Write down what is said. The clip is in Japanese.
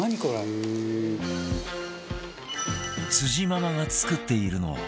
辻ママが作っているのは